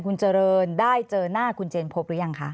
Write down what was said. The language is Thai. คุณเจริญได้เจอหน้าคุณเจนพบหรือยังคะ